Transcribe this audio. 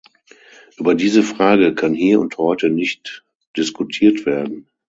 Über diese Frage kann hier und heute nicht diskutiert werden.